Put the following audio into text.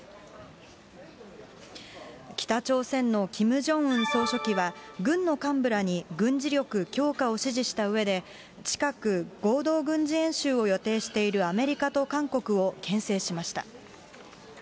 北朝鮮のキム・ジョンウン総書記は、軍の幹部らに軍事力強化を指示したうえで、近く、合同軍事演習を予定しているアメリカと韓国をけん制しました。